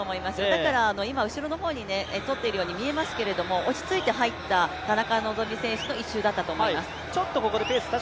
だから、今後ろの方に取っているように見えますけれども、落ち着いてとった田中希実選手のレースだと思います。